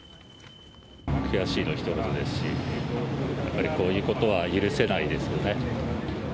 悔しいのひと言ですし、やはりこういうことは許せないですよね。